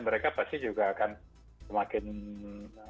mereka pasti juga akan semakin lama semakin banyak